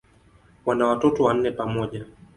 Wana watoto wanne pamoja.